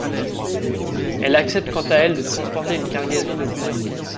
Elle accepte quant à elle de transporter une cargaison de plusieurs caisses.